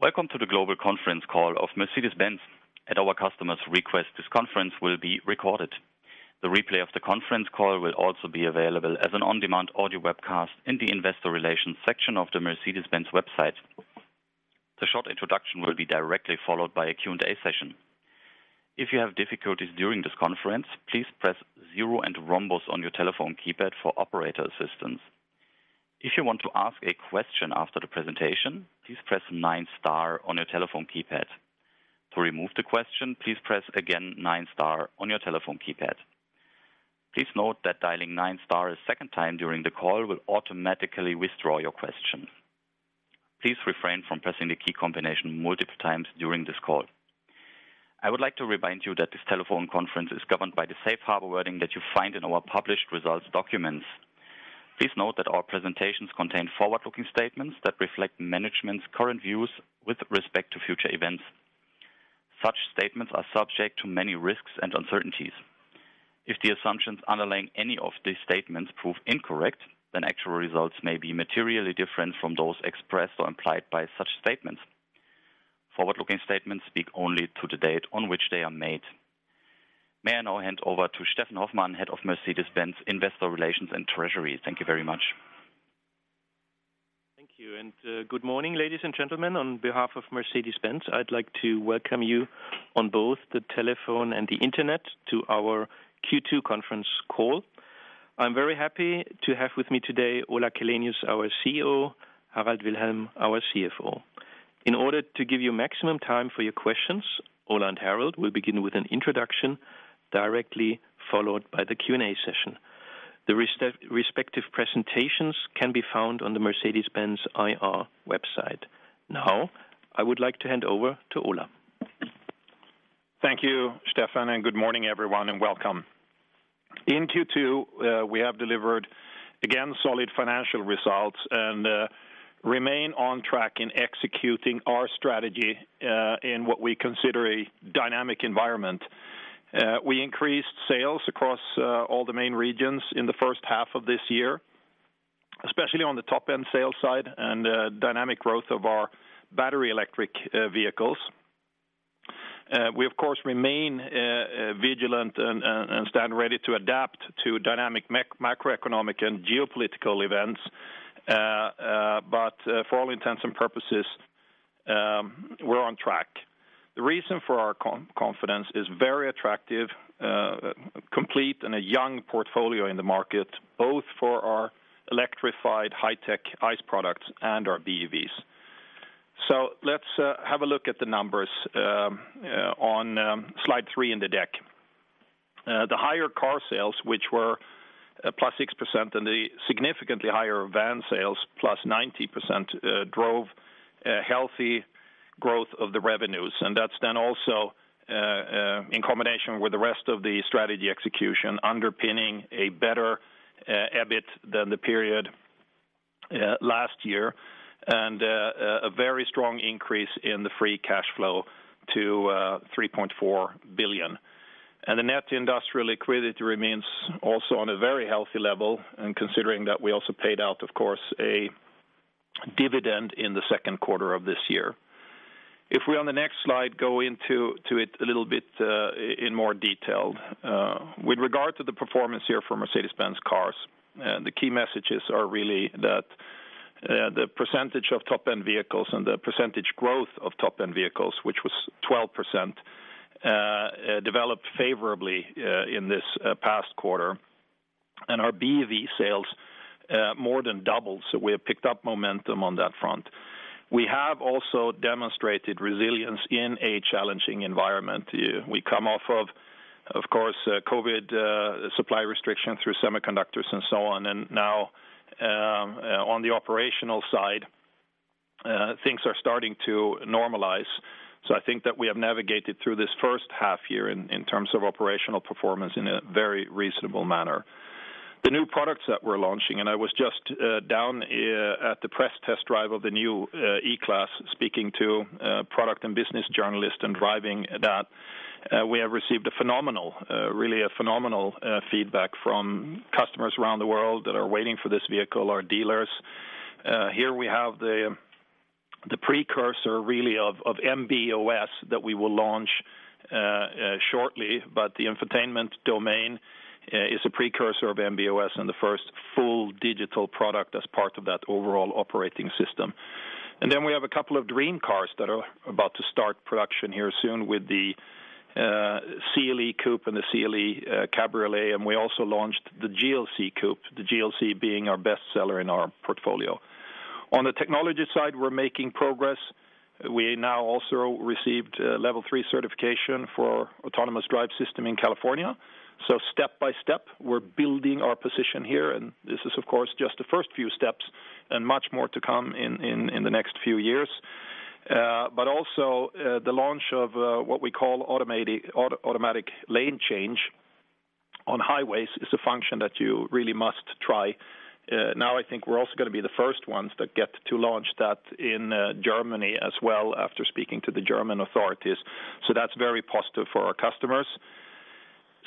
Welcome to the Global Conference Call of Mercedes-Benz. At our customers' request, this conference will be recorded. The replay of the conference call will also be available as an on-demand audio webcast in the Investor Relations section of the Mercedes-Benz website. The short introduction will be directly followed by a Q&A session. If you have difficulties during this conference, please press zero and hash on your telephone keypad for operator assistance. If you want to ask a question after the presentation, please press nine star on your telephone keypad. To remove the question, please press again nine star on your telephone keypad. Please note that dialing nine star a second time during the call will automatically withdraw your question. Please refrain from pressing the key combination multiple times during this call. I would like to remind you that this telephone conference is governed by the safe harbor wording that you find in our published results documents. Please note that our presentations contain forward-looking statements that reflect management's current views with respect to future events. Such statements are subject to many risks and uncertainties. If the assumptions underlying any of these statements prove incorrect, then actual results may be materially different from those expressed or implied by such statements. Forward-looking statements speak only to the date on which they are made. May I now hand over to Steffen Hoffmann, Head of Mercedes-Benz, Investor Relations and Treasury. Thank you very much. Thank you. Good morning, ladies and gentlemen. On behalf of Mercedes-Benz, I'd like to welcome you on both the telephone and the internet to our Q2 Conference Call. I'm very happy to have with me today, Ola Källenius, our CEO, Harald Wilhelm, our CFO. In order to give you maximum time for your questions, Ola and Harald will begin with an introduction, directly followed by the Q&A session. The respective presentations can be found on the Mercedes-Benz IR website. I would like to hand over to Ola. Thank you, Steffen, and good morning, everyone, and welcome. In Q2, we have delivered, again, solid financial results and remain on track in executing our strategy in what we consider a dynamic environment. We increased sales across all the main regions in the H1 of this year, especially on the top-end sales side, and dynamic growth of our battery electric vehicles. We, of course, remain vigilant and stand ready to adapt to dynamic macroeconomic and geopolitical events. For all intents and purposes, we're on track. The reason for our confidence is very attractive, complete, and a young portfolio in the market, both for our electrified, high-tech ICE products and our BEVs. Let's have a look at the numbers on slide three in the deck. The higher car sales, which were 6%+, and the significantly higher van sales, 90%+, drove a healthy growth of the revenues. That's then also in combination with the rest of the strategy execution, underpinning a better EBIT than the period last year, and a very strong increase in the free cash flow to 3.4 billion. The net industrial liquidity remains also on a very healthy level, considering that we also paid out, of course, a dividend in the Q2 of this year. If we, on the next slide, go into it a little bit in more detail. With regard to the performance here for Mercedes-Benz cars, the key messages are really that the percentage of top-end vehicles and the percentage growth of top-end vehicles, which was 12%, developed favorably in this past quarter. Our BEV sales more than doubled, so we have picked up momentum on that front. We have also demonstrated resilience in a challenging environment. We come off of course, COVID supply restriction through semiconductors and so on. Now, on the operational side, things are starting to normalize. I think that we have navigated through this first half-year in terms of operational performance in a very reasonable manner. The new products that we're launching, and I was just down at the press test drive of the new E-Class, speaking to product and business journalists and driving that, we have received a phenomenal feedback from customers around the world that are waiting for this vehicle, our dealers. Here we have the precursor, really, of MB.OS that we will launch shortly. The infotainment domain is a precursor of MB.OS and the first full digital product as part of that overall operating system. Then we have a couple of dream cars that are about to start production here soon with the CLE Coupé and the CLE Cabriolet, and we also launched the GLC Coupé, the GLC being our best-seller in our portfolio. On the technology side, we're making progress. We now also received Level 3 certification for autonomous drive system in California. Step by step, we're building our position here, and this is, of course, just the first few steps and much more to come in the next few years. But also, the launch of what we call automatic lane change on highways is a function that you really must try. Now, I think we're also going to be the first ones that get to launch that in Germany as well, after speaking to the German authorities. That's very positive for our customers.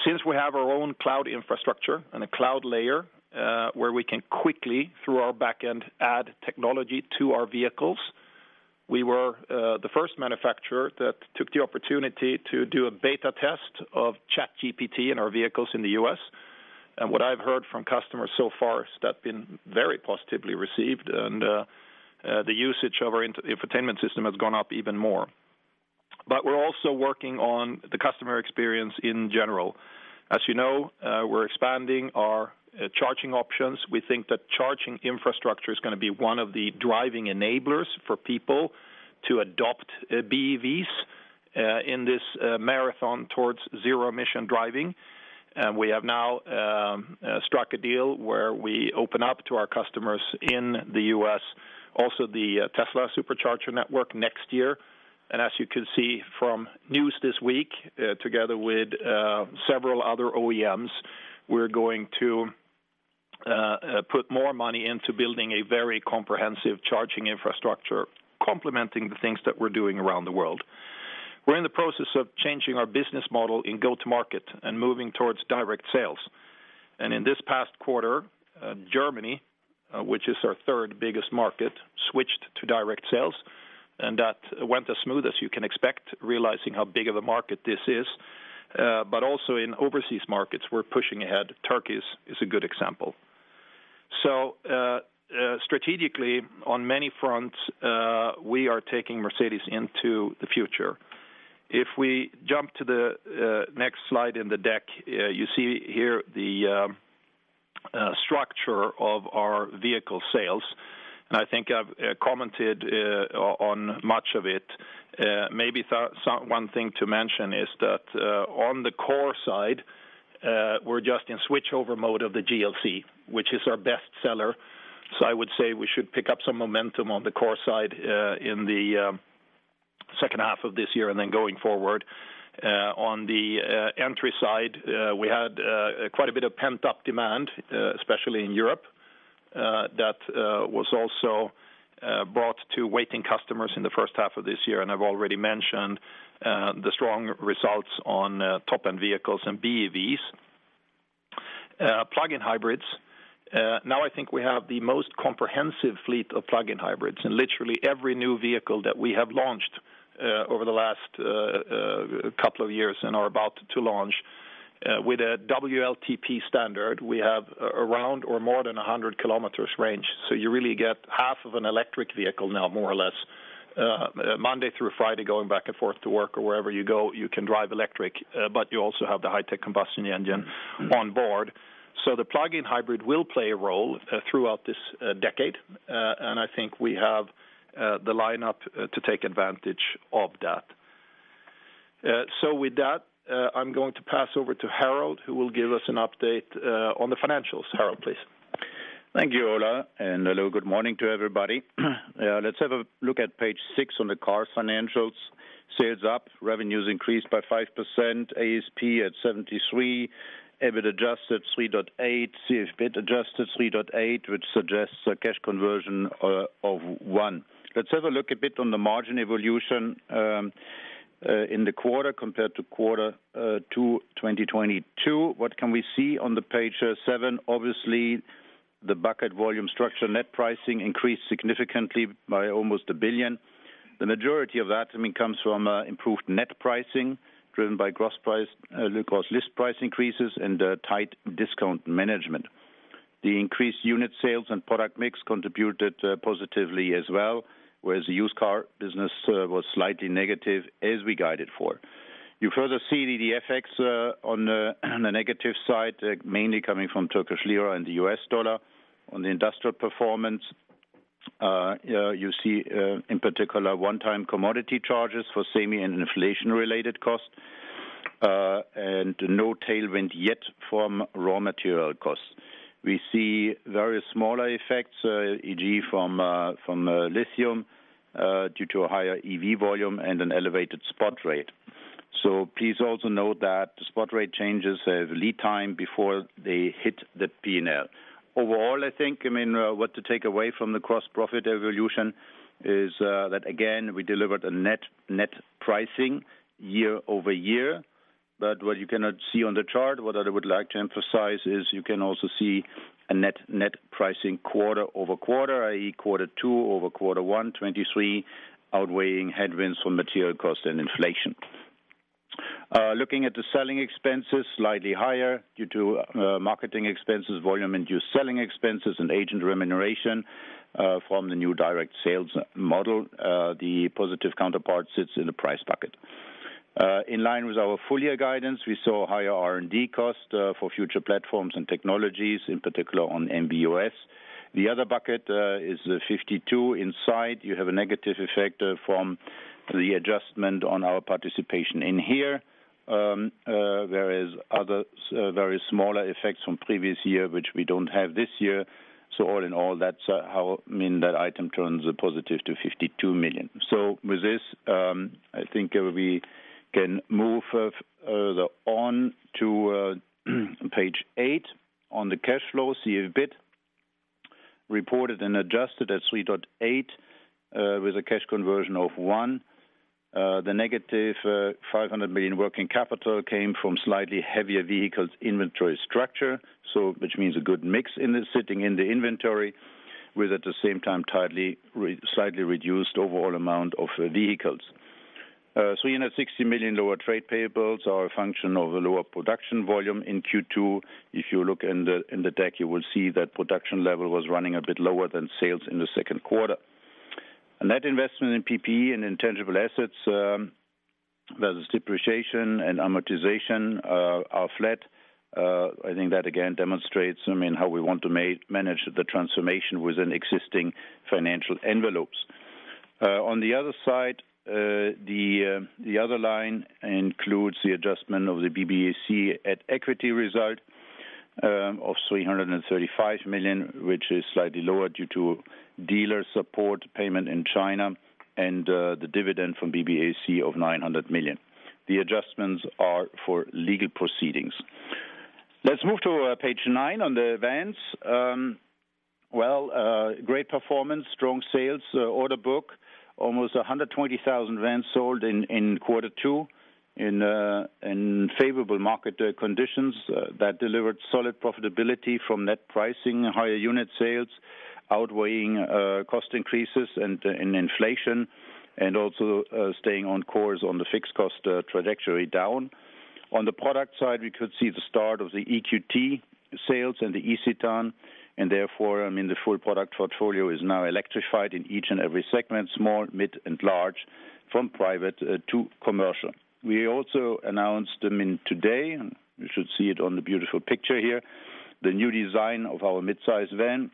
Since we have our own cloud infrastructure and a cloud layer, where we can quickly, through our back end, add technology to our vehicles, we were the first manufacturer that took the opportunity to do a beta test of ChatGPT in our vehicles in the U.S. What I've heard from customers so far is that's been very positively received, and the usage of our infotainment system has gone up even more. We're also working on the customer experience in general. As you know, we're expanding our charging options. We think that charging infrastructure is gonna be one of the driving enablers for people to adopt BEVs in this marathon towards zero-emission driving. We have now struck a deal where we open up to our customers in the U.S. also the Tesla Supercharger network next year. As you can see from news this week, together with several other OEMs, we're going to put more money into building a very comprehensive charging infrastructure, complementing the things that we're doing around the world. We're in the process of changing our business model in go-to-market and moving towards direct sales. In this past quarter, Germany, which is our third biggest market, switched to direct sales, and that went as smooth as you can expect, realizing how big of a market this is. But also in overseas markets, we're pushing ahead. Turkey is a good example. Strategically, on many fronts, we are taking Mercedes into the future. If we jump to the next slide in the deck, you see here the structure of our vehicle sales, and I think I've commented on much of it. Maybe, so one thing to mention is that on the core side, we're just in switchover mode of the GLC, which is our best seller. I would say we should pick up some momentum on the core side in the H2 of this year and then going forward. On the entry side, we had quite a bit of pent-up demand, especially in Europe, that was also brought to waiting customers in the H1 of this year. I've already mentioned the strong results on top-end vehicles and BEVs. Plug-in hybrids, now I think we have the most comprehensive fleet of plug-in hybrids, and literally every new vehicle that we have launched over the last couple of years and are about to launch with a WLTP standard, we have around or more than 100 kilometers range. You really get half of an electric vehicle now, more or less. Monday through Friday, going back and forth to work or wherever you go, you can drive electric, but you also have the high-tech combustion engine on board. The plug-in hybrid will play a role throughout this decade. And I think we have the lineup to take advantage of that. With that, I'm going to pass over to Harald, who will give us an update on the financials. Harald, please. Thank you, Ola. A little good morning to everybody. Let's have a look at page six on the car financials. Sales up, revenues increased by 5%, ASP at 73, EBIT adjusted 3.8, CFBIT adjusted 3.8, which suggests a cash conversion of 1. Let's have a look a bit on the margin evolution in the quarter compared to Q2, 2022. What can we see on the page seven? Obviously, the bucket volume structure, net pricing increased significantly by almost 1 billion. The majority of that, I mean, comes from improved net pricing, driven by gross price, gross list price increases, and tight discount management. The increased unit sales and product mix contributed positively as well, whereas the used car business was slightly negative, as we guided for. You further see the effects on the negative side, mainly coming from Turkish Lira and the US dollar. On the industrial performance, you see in particular, one-time commodity charges for semi and inflation-related costs, and no tailwind yet from raw material costs. We see very smaller effects, e.g., from Lithium, due to a higher EV volume and an elevated spot rate. Please also note that the spot rate changes have lead time before they hit the P&L. Overall, I think, I mean, what to take away from the cross-profit evolution is that again, we delivered a net-net pricing year-over-year. What you cannot see on the chart, what I would like to emphasize, is you can also see a net-net pricing quarter-over-quarter, i.e., Q2 over Q1 2023, outweighing headwinds on material cost and inflation. Looking at the selling expenses, slightly higher due to marketing expenses, volume-induced selling expenses, and agent remuneration from the new direct sales model. The positive counterpart sits in the price bucket. In line with our full-year guidance, we saw higher R&D costs for future platforms and technologies, in particular on MB.OS. The other bucket is the 52. Inside, you have a negative effect from the adjustment on our participation in here. There are other very smaller effects from previous year, which we don't have this year. All in all, that's, I mean, that item turns a positive to 52 million. With this, I think, we can move on to page eight on the cash flow, see EBIT reported and adjusted at 3.8, with a cash conversion of 1. The negative 500 million working capital came from a slightly heavier vehicles inventory structure, so which means a good mix in the, sitting in the inventory, with, at the same time, a tightly slightly reduced overall amount of vehicles. In a 60 million lower trade payables are a function of the lower production volume in Q2. If you look in the deck, you will see that production level was running a bit lower than sales in the Q2. That investment in PPE and intangible assets, there's depreciation and amortization, are flat. I think that again demonstrates, I mean, how we want to manage the transformation within existing financial envelopes. On the other side, the other line includes the adjustment of the BBAC at-equity result of 335 million, which is slightly lower due to dealer support payment in China and the dividend from BBAC of 900 million. The adjustments are for legal proceedings. Let's move to page nine on the vans. Well, great performance, strong sales, order book, almost 120,000 vans sold in Q2, in favorable market conditions, that delivered solid profitability from net pricing, higher unit sales, outweighing cost increases and inflation, and also staying on course on the fixed cost trajectory down. On the product side, we could see the start of the EQT sales and the eCitan, and therefore, I mean, the full product portfolio is now electrified in each and every segment, small, mid, and large, from private to commercial. We also announced, I mean, today, you should see it on the beautiful picture here, the new design of our midsize van,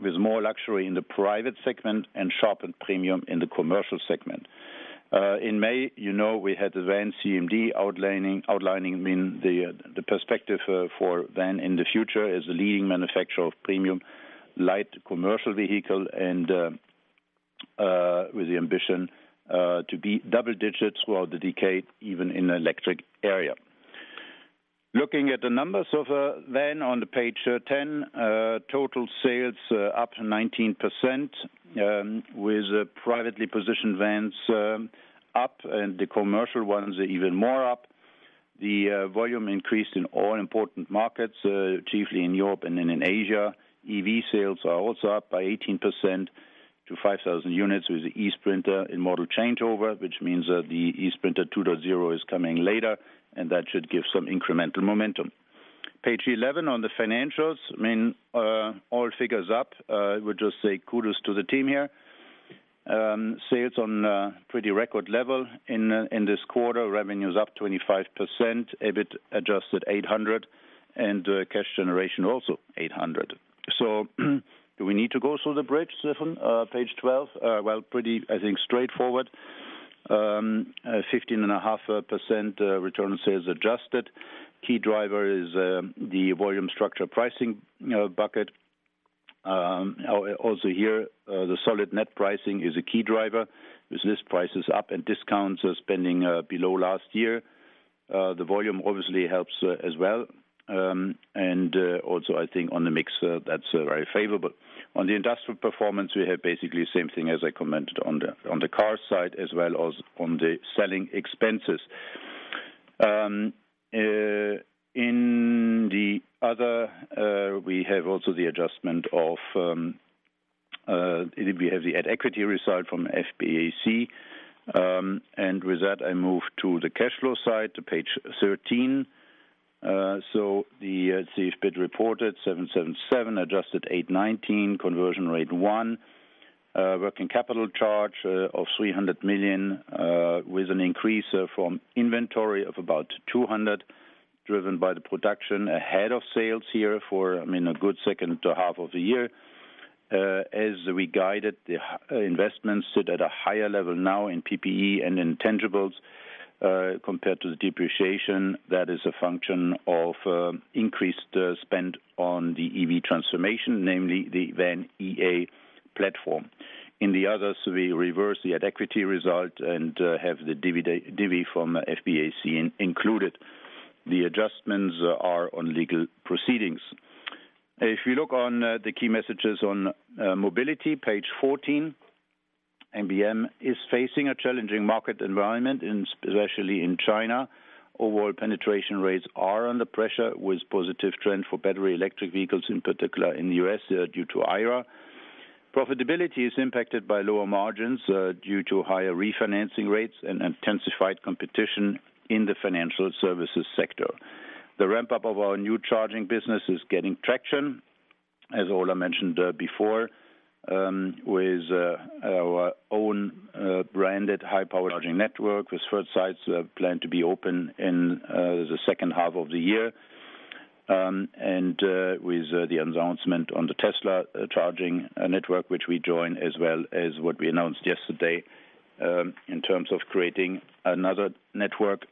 with more luxury in the private segment and sharpened premium in the commercial segment. In May, you know, we had the Van CMD outlining the perspective for van in the future as the leading manufacturer of premium light commercial vehicle, and with the ambition to be double digits throughout the decade, even in the electric area. Looking at the numbers of van on page 10, total sales up 19%, with privately positioned vans up, and the commercial ones even more up. The volume increased in all important markets, chiefly in Europe and in Asia. EV sales are also up by 18% to 5,000 units, with the eSprinter in model changeover, which means that the eSprinter 2.0 is coming later, and that should give some incremental momentum. Page 11, on the financials, all figures up. I would just say kudos to the team here. Sales on pretty record level in this quarter. Revenue is up 25%, EBIT adjusted 800, and cash generation also 800. Do we need to go through the bridge, Stefan? Page 12, well, pretty, I think, straightforward. 15.5% return on sales adjusted. Key driver is the volume structure pricing bucket. Also here, the solid net pricing is a key driver, with list prices up and discounts are spending below last year. The volume obviously helps as well. And also, I think on the mix, that's very favorable. On the industrial performance, we have basically the same thing as I commented on the car side, as well as on the selling expenses. In the other, we have also the adjustment of, we have the at-equity result from FBAC. With that, I move to the cash flow side, to page 13. The CFBIT reported 777, adjusted 819, conversion rate 1, working capital charge of 300 million, with an increase from inventory of about 200, driven by the production ahead of sales here for, I mean, a good H2 of the year. As we guided, the investments sit at a higher level now in PPE and intangibles, compared to the depreciation that is a function of increased spend on the EV transformation, namely the VAN.EA platform. In the others, we reverse the at-equity result and have the divi from FBAC included. The adjustments are on legal proceedings. If you look on the key messages on mobility, page 14, MBM is facing a challenging market environment, especially in China. Overall, penetration rates are under pressure, with positive trend for battery electric vehicles, in particular in the U.S., due to IRA. Profitability is impacted by lower margins, due to higher refinancing rates and intensified competition in the financial services sector. The ramp-up of our new charging business is getting traction, as Ola mentioned before, with our own branded high-power charging network, with first sites planned to be open in the H2 of the year. With the announcement on the Tesla charging network, which we join, as well as what we announced yesterday, in terms of creating another network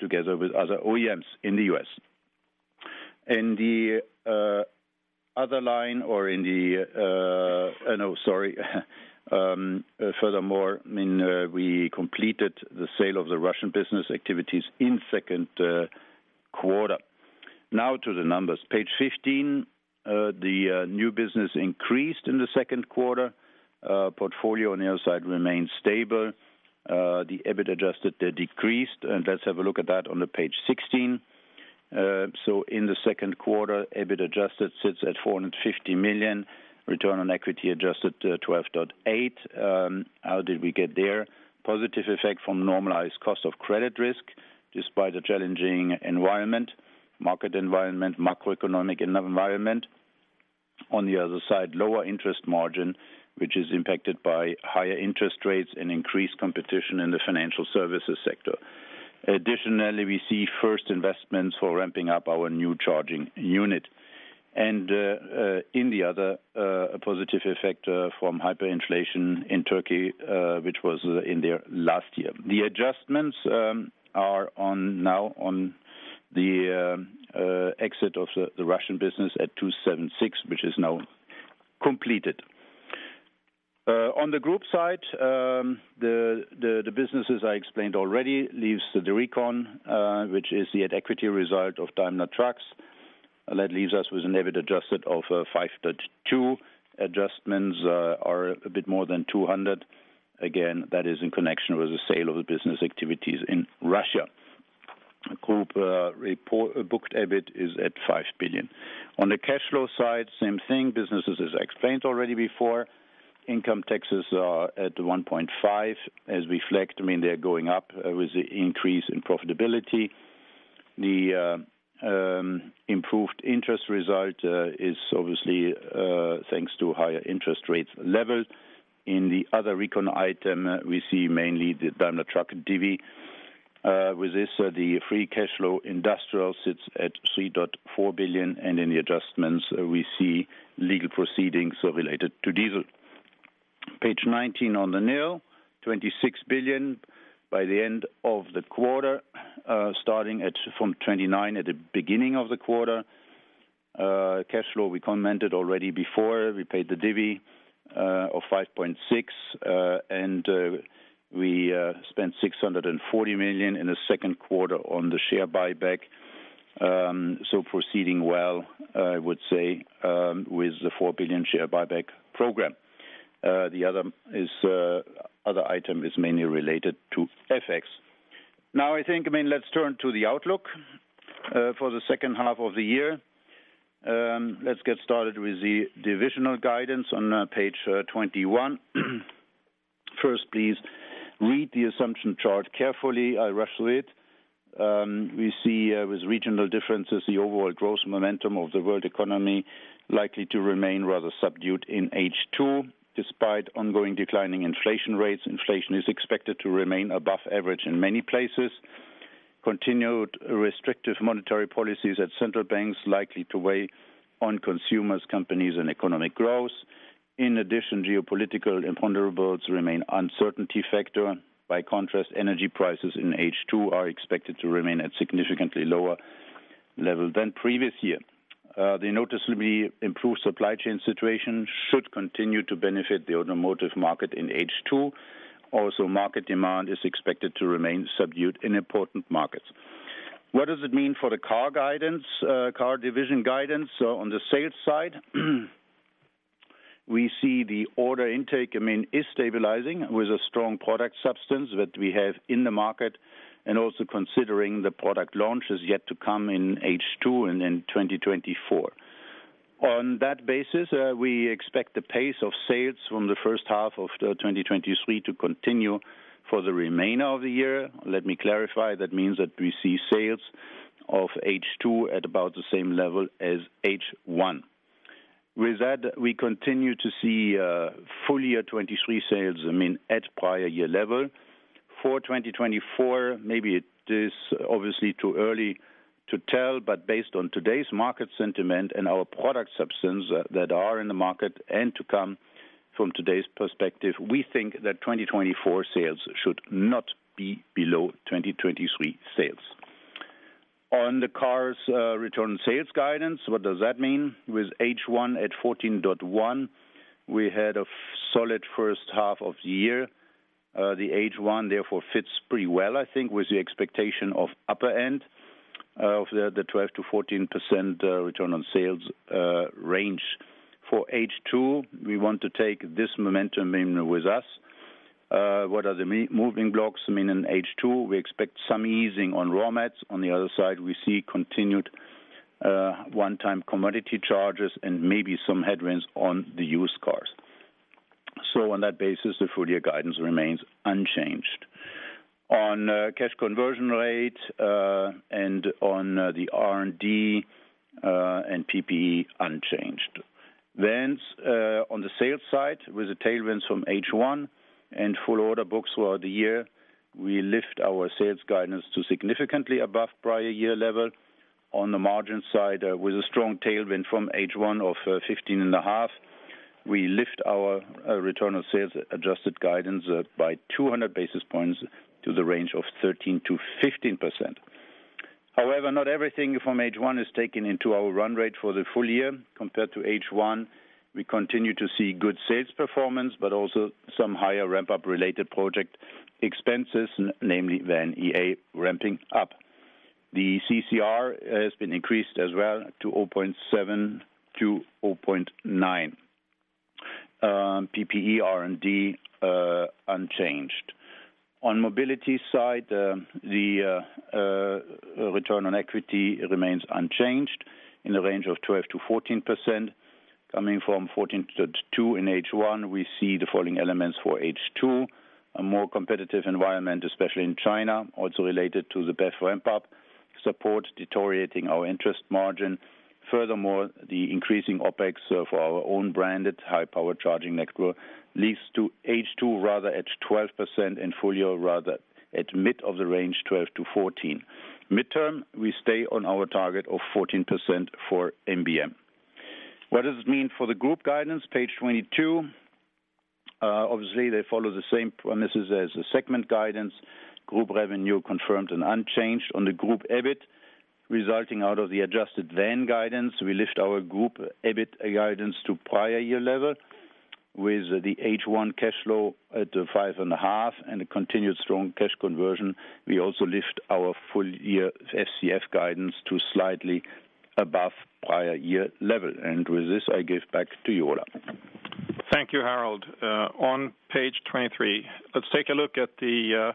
together with other OEMs in the U.S. Furthermore, I mean, we completed the sale of the Russian business activities in Q2. Now to the numbers. Page 15, the new business increased in the Q2. Portfolio on the other side remains stable. The EBIT adjusted decreased, and let's have a look at that on page 16. In the Q2, EBIT adjusted sits at 450 million, return on equity adjusted to 12.8%. How did we get there? Positive effect from normalized cost of credit risk, despite the challenging environment, market environment, macroeconomic environment. On the other side, lower interest margin, which is impacted by higher interest rates and increased competition in the financial services sector. Additionally, we see first investments for ramping up our new charging unit, and in the other positive effect from hyperinflation in Turkey, which was in there last year. The adjustments are now on the exit of the Russian business at 276, which is now completed. On the group side, the businesses I explained already leaves the recon, which is the at-equity result of Daimler Truck. That leaves us with an EBIT adjusted of 5.2. Adjustments are a bit more than 200. That is in connection with the sale of the business activities in Russia. The group report booked EBIT is at 5 billion. On the cash flow side, same thing. Businesses, as explained already before, income taxes are at 1.5, as reflected, I mean, they're going up with the increase in profitability. Improved interest result is obviously thanks to higher interest rates level. In the other recon item, we see mainly the Daimler Truck divi. With this, the free cash flow industrial sits at 3.4 billion, and in the adjustments, we see legal proceedings so related to diesel. Page 19 on the NIL. 26 billion by the end of the quarter, starting from 29 billion at the beginning of the quarter. Cash flow, we commented already before. We paid the divi of 5.6 billion, and we spent 640 million in the Q2 on the share buyback. Proceeding well, I would say, with the 4 billion share buyback program. The other is other item is mainly related to FX. I think, I mean, let's turn to the outlook for the H2 of the year. Let's get started with the divisional guidance on page 21. First, please read the assumption chart carefully. I'll rush through it. We see, with regional differences, the overall gross momentum of the world economy likely to remain rather subdued in H2. Despite ongoing declining inflation rates, inflation is expected to remain above average in many places. Continued restrictive monetary policies at central banks likely to weigh on consumers, companies, and economic growth. In addition, geopolitical vulnerabilities remain uncertainty factor. By contrast, energy prices in H2 are expected to remain at significantly lower level than previous year. The noticeably improved supply chain situation should continue to benefit the automotive market in H2. Market demand is expected to remain subdued in important markets. What does it mean for the car division guidance? On the sales side, we see the order intake, I mean, is stabilizing with a strong product substance that we have in the market, and also considering the product launch is yet to come in H2 and in 2024. On that basis, we expect the pace of sales from the H1 of the 2023 to continue for the remainder of the year. Let me clarify, that means that we see sales of H2 at about the same level as H1. With that, we continue to see, full-year 2023 sales, I mean, at prior year level. For 2024, maybe it is obviously too early to tell, but based on today's market sentiment and our product substance that are in the market and to come from today's perspective, we think that 2024 sales should not be below 2023 sales. On the cars, return sales guidance, what does that mean? With H1 at 14.1, we had a solid H1. The H1, therefore, fits pretty well, I think, with the expectation of upper end of the 12% to 14% return on sales range. For H2, we want to take this momentum in with us. What are the moving blocks? I mean, in H2, we expect some easing on raw mats. On the other side, we see continued one-time commodity charges and maybe some headwinds on the used cars. On that basis, the full-year guidance remains unchanged. On cash conversion rate and on the R&D and PPE, unchanged. On the sales side, with the tailwinds from H1 and full order books throughout the year, we lift our sales guidance to significantly above prior year level. On the margin side, with a strong tailwind from H1 of 15.5%, we lift our return on sales adjusted guidance by 200 basis points to the range of 13% to 15%. Not everything from H1 is taken into our run rate for the full year. Compared to H1, we continue to see good sales performance, but also some higher ramp-up related expenses, namely the VAN.EA ramping up. The CCR has been increased as well to 0.7 to 0.9. PPE, R&D, unchanged. On mobility side, the return on equity remains unchanged in the range of 12% to 14%, coming from 14.2% in H1. We see the following elements for H2, a more competitive environment, especially in China, also related to the BEV ramp-up, support deteriorating our interest margin. Furthermore, the increasing OpEx of our own branded high-power charging network leads to H2, rather at 12% and full-year, rather at mid of the range, 12% to 14%. Mid-term, we stay on our target of 14% for MBM. What does it mean for the group guidance? Page 22. Obviously, they follow the same premises as the segment guidance. Group revenue confirmed and unchanged on the group EBIT, resulting out of the adjusted van guidance. We lift our group EBIT guidance to prior year level with the H1 cash flow at 5.5 and a continued strong cash conversion. We also lift our full-year FCF guidance to slightly above prior year level. With this, I give back to you, Ola. Thank you, Harald. On page 23, let's take a look at the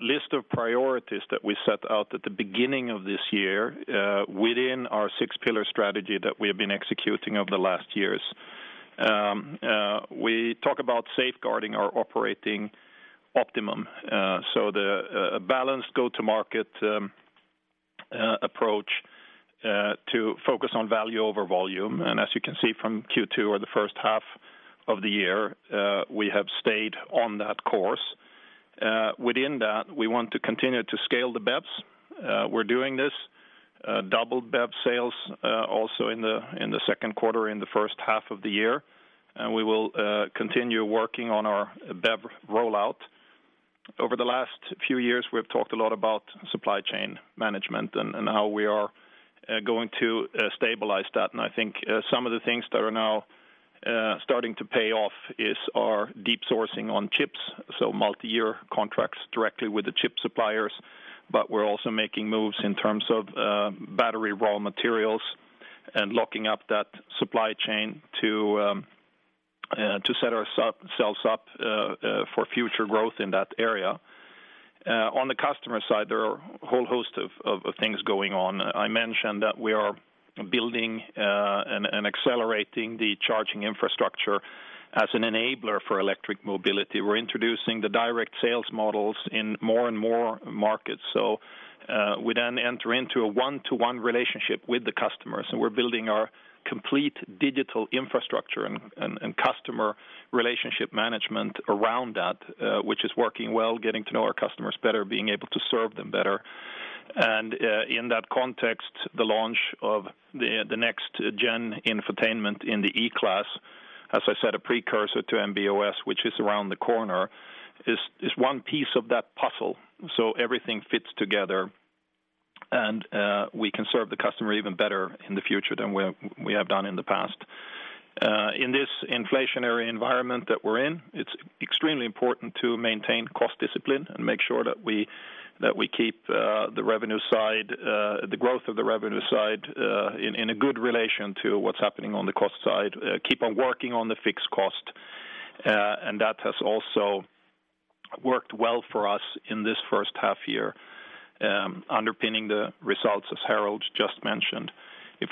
list of priorities that we set out at the beginning of this year, within our six-pillar strategy that we have been executing over the last years. We talk about safeguarding our operating optimum, so the balance go-to-market approach to focus on value over volume. As you can see from Q2 or the H1 of the year, we have stayed on that course. Within that, we want to continue to scale the BEVs. We're doing this, double BEV sales, also in the Q2, in the H1 of the year, and we will continue working on our BEV rollout. Over the last few years, we've talked a lot about supply chain management and how we are going to stabilize that. I think some of the things that are now starting to pay off is our deep sourcing on chips, so multi-year contracts directly with the chip suppliers. We're also making moves in terms of battery raw materials and locking up that supply chain to set ourselves up for future growth in that area. On the customer side, there are a whole host of things going on. I mentioned that we are building and accelerating the charging infrastructure as an enabler for electric mobility. We're introducing the direct sales models in more and more markets, so we then enter into a one-to-one relationship with the customers, and we're building our complete digital infrastructure and customer relationship management around that, which is working well, getting to know our customers better, being able to serve them better. In that context, the launch of the next-gen infotainment in the E-Class, as I said, a precursor to MB.OS, which is around the corner, is one piece of that puzzle. Everything fits together, and we can serve the customer even better in the future than we have done in the past. In this inflationary environment that we're in, it's extremely important to maintain cost discipline and make sure that we keep the revenue side, the growth of the revenue side, in a good relation to what's happening on the cost side. Keep on working on the fixed cost, that has also worked well for us in this H1, underpinning the results, as Harald just mentioned.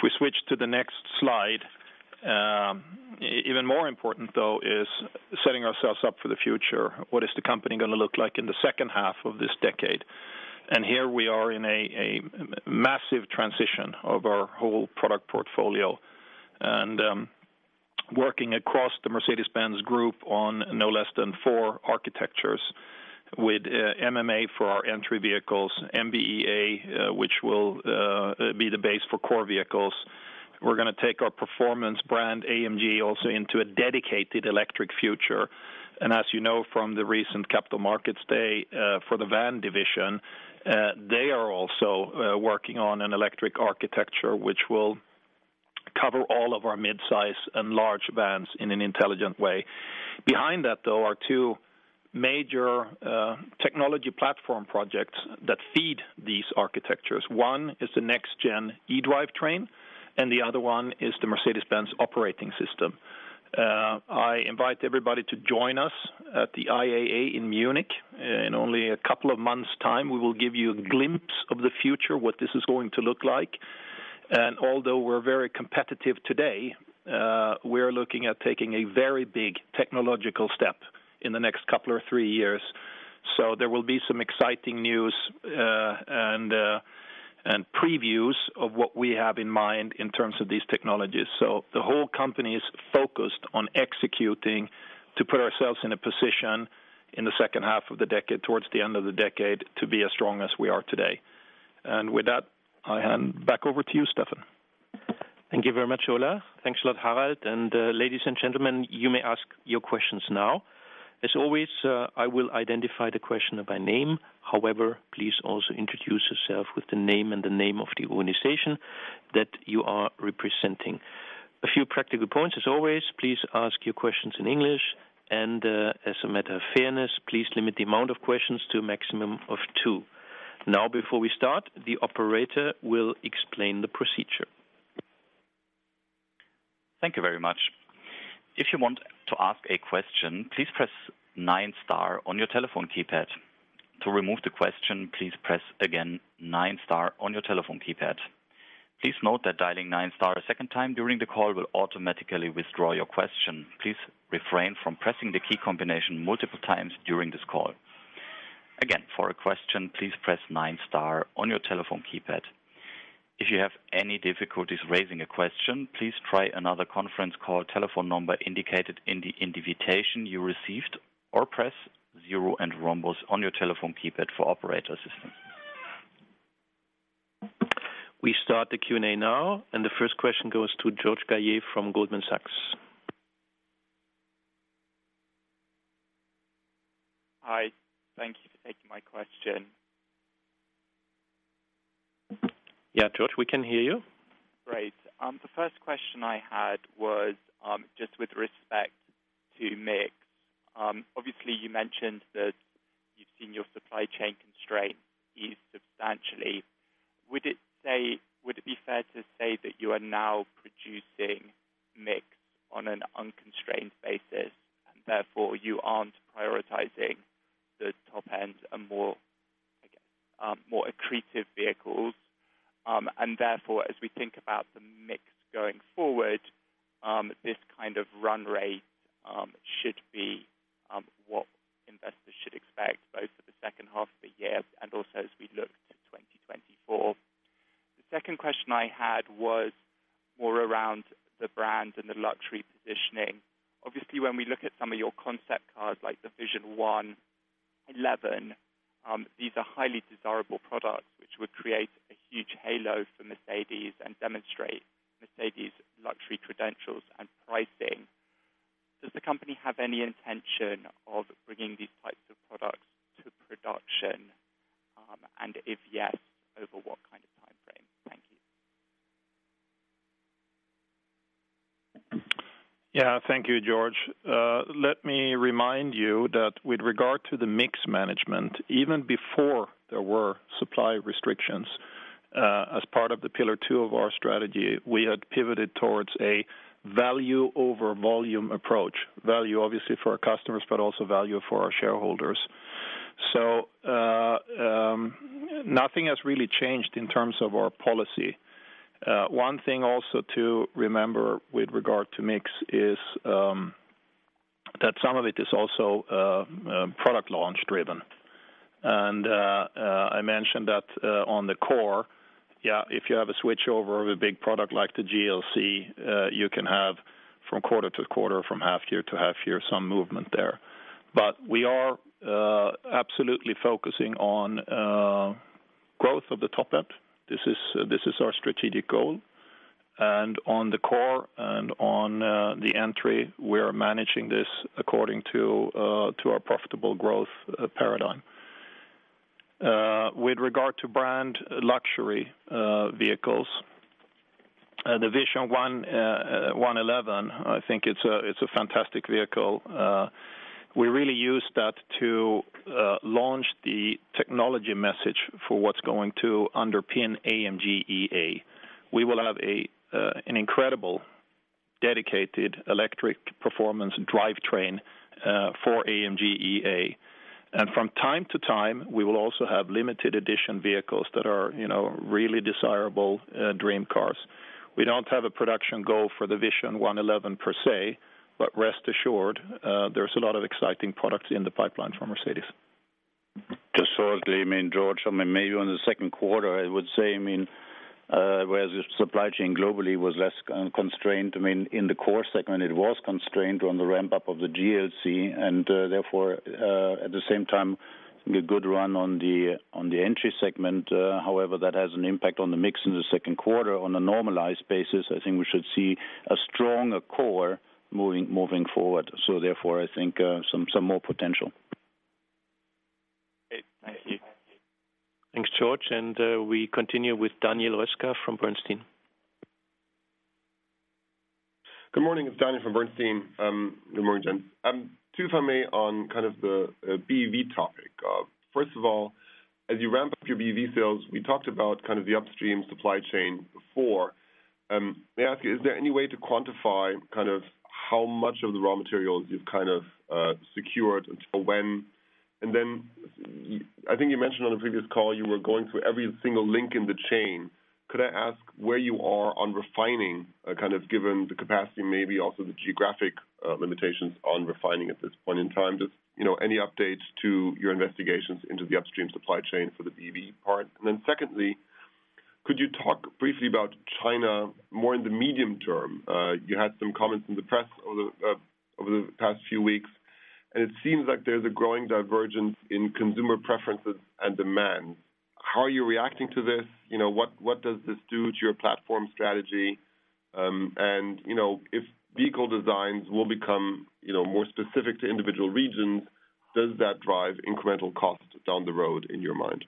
We switch to the next slide, even more important, though, is setting ourselves up for the future. What is the company going to look like in the H2 of this decade? Here we are in a massive transition of our whole product portfolio and working across the Mercedes-Benz Group on no less than four architectures with MMA for our entry vehicles, MBEA, which will be the base for core vehicles. We're going to take our performance brand, AMG, also into a dedicated electric future. As you know, from the recent Capital Markets Day for the Van Division, they are also working on an electric architecture, which will cover all of our mid-size and large vans in an intelligent way. Behind that, though, are two major technology platform projects that feed these architectures. One is the next-gen e-drivetrain, and the other one is the Mercedes-Benz operating system. I invite everybody to join us at the IAA in Munich. In only a couple of months' time, we will give you a glimpse of the future, what this is going to look like. Although we're very competitive today, we're looking at taking a very big technological step in the next couple or three years. There will be some exciting news, and previews of what we have in mind in terms of these technologies. The whole company is focused on executing to put ourselves in a position in the second half of the decade, towards the end of the decade, to be as strong as we are today. With that, I hand back over to you, Stefan. Thank you very much, Ola. Thanks a lot, Harald. Ladies and gentlemen, you may ask your questions now. As always, I will identify the questioner by name. However, please also introduce yourself with the name and the name of the organization that you are representing. A few practical points. As always, please ask your questions in English, and as a matter of fairness, please limit the amount of questions to a maximum of two. Before we start, the operator will explain the procedure. Thank you very much. If you want to ask a question, please press nine star on your telephone keypad. To remove the question, please press again nine star on your telephone keypad. Please note that dialing nine star a second time during the call will automatically withdraw your question. Please refrain from pressing the key combination multiple times during this call. Again, for a question, please press nine star on your telephone keypad. If you have any difficulties raising a question, please try another conference call telephone number indicated in the invitation you received, or press zero and hash on your telephone keypad for operator assistance. We start the Q&A now. The first question goes to George Galliers from Goldman Sachs. Hi. Thank you for taking my question. Yeah, George, we can hear you. Great. The first question I had was just with respect to mix. Obviously, you mentioned that you've seen your supply chain constraint ease substantially. Would it be fair to say that you are now producing mix on an unconstrained basis, therefore you aren't prioritizing the top end, and more, I guess, more accretive vehicles? Therefore, as we think about the mix going forward, this kind of run rate should be what investors should expect, both for the H2 of the year and also as we look to 2024. The second question I had was more around the brand and the luxury positioning. Obviously, when we look at some of your concept cars, like the Vision One-Eleven, these are highly desirable products, which would create a huge halo for Mercedes and demonstrate Mercedes' luxury credentials and pricing. Does the company have any intention of bringing these types of products to production? If yes, over what kind of time frame? Thank you. Yeah. Thank you, George. Let me remind you that with regard to the mix management, even before there were supply restrictions, as part of the pillar two of our strategy, we had pivoted towards a value over volume approach. Value, obviously, for our customers, but also value for our shareholders. Nothing has really changed in terms of our policy. One thing also to remember with regard to mix is that some of it is also product launch-driven. I mentioned that on the core, if you have a switchover of a big product like the GLC, you can have from quarter to quarter, from half year to half year, some movement there. We are absolutely focusing on growth of the top end. This is our strategic goal, and on the core and on the entry, we are managing this according to our profitable growth paradigm. With regard to brand luxury vehicles, the Vision One-Eleven, I think it's a fantastic vehicle. We really use that to launch the technology message for what's going to underpin AMG EA. We will have an incredible dedicated electric performance drivetrain for AMG EA. From time to time, we will also have limited edition vehicles that are, you know, really desirable dream cars. We don't have a production goal for the Vision One-Eleven per se, but rest assured, there's a lot of exciting products in the pipeline for Mercedes. Just shortly, I mean, George, I mean, maybe on the Q2, I would say, I mean, whereas the supply chain globally was less constrained, I mean, in the core segment, it was constrained on the ramp-up of the GLC, and therefore, at the same time, a good run on the entry segment. However, that has an impact on the mix in the Q2. On a normalized basis, I think we should see a stronger core moving forward, so therefore, I think, some more potential. Thank you. Thanks, George. We continue with Daniel Roeska from Bernstein. Good morning, it's Daniel from Bernstein. Good morning, gents. Two for me on kind of the BEV topic. First of all, as you ramp up your BEV sales, we talked about kind of the upstream supply chain before. May I ask you, is there any way to quantify kind of how much of the raw materials you've kind of secured, until when? I think you mentioned on the previous call you were going through every single link in the chain. Could I ask where you are on refining, kind of given the capacity, maybe also the geographic limitations on refining at this point in time? Just, you know, any updates to your investigations into the upstream supply chain for the BEV part? Secondly, could you talk briefly about China more in the medium term? You had some comments in the press over the past few weeks, it seems like there's a growing divergence in consumer preferences and demand. How are you reacting to this? You know, what does this do to your platform strategy? You know, if vehicle designs will become, you know, more specific to individual regions, does that drive incremental costs down the road, in your mind?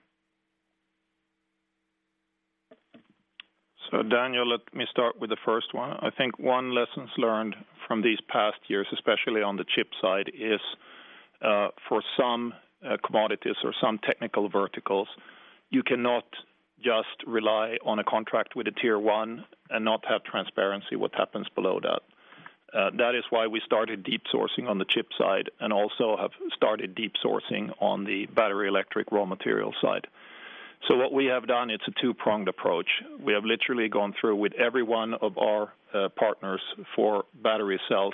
Daniel, let me start with the first one. I think one lesson learned from these past years, especially on the chip side, is, for some commodities or some technical verticals, you cannot just rely on a contract with a tier one and not have transparency what happens below that. That is why we started deep sourcing on the chip side and also have started deep sourcing on the battery electric raw material side. What we have done, it's a two-pronged approach. We have literally gone through with every one of our partners for battery cells,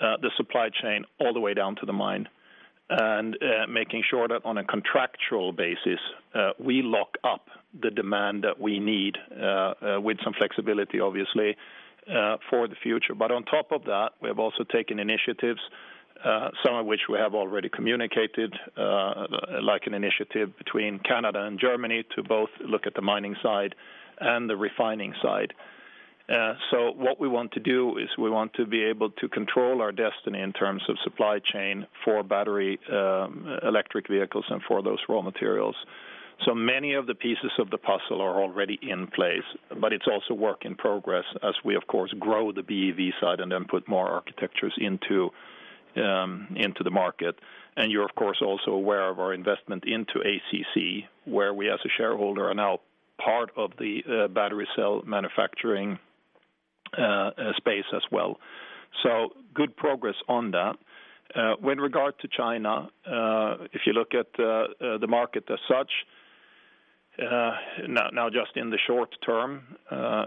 the supply chain, all the way down to the mine, and making sure that on a contractual basis, we lock up the demand that we need, with some flexibility, obviously, for the future. On top of that, we have also taken initiatives, some of which we have already communicated, like an initiative between Canada and Germany to both look at the mining side and the refining side. What we want to do is we want to be able to control our destiny in terms of supply chain for battery electric vehicles and for those raw materials. Many of the pieces of the puzzle are already in place, but it's also work in progress as we, of course, grow the BEV side and then put more architectures into the market. You're, of course, also aware of our investment into ACC, where we, as a shareholder, are now part of the battery cell manufacturing space as well. Good progress on that. With regard to China, if you look at the market as such, just in the short term,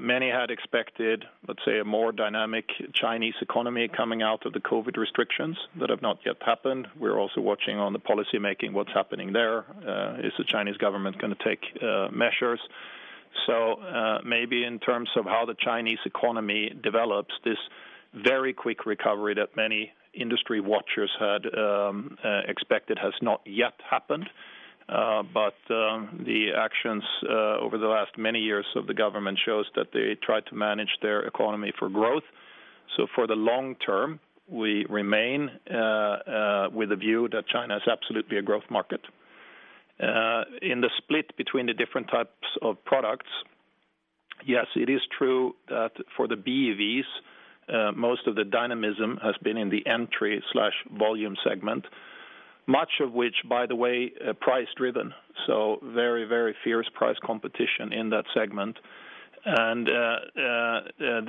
many had expected, let's say, a more dynamic Chinese economy coming out of the COVID restrictions that have not yet happened. We're also watching on the policymaking, what's happening there. Is the Chinese government going to take measures? Maybe in terms of how the Chinese economy develops, this very quick recovery that many industry watchers had expected, has not yet happened. But the actions over the last many years of the government shows that they tried to manage their economy for growth. For the long term, we remain with a view that China is absolutely a growth market. In the split between the different types of products, yes, it is true that for the BEVs, most of the dynamism has been in the entry/volume segment, much of which, by the way, price-driven, so very, very fierce price competition in that segment.